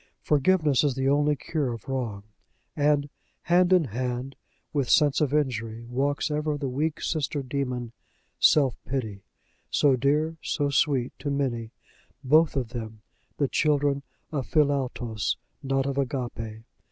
Forgiveness is the only cure of wrong. And hand in hand with Sense of injury walks ever the weak sister demon Self pity, so dear, so sweet to many both of them the children of Philautos, not of Agape.